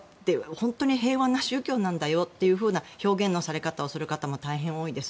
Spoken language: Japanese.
本当に平和な宗教なんだよというふうな表現をされる方も大変多いです。